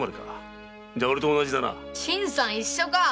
新さん一緒か。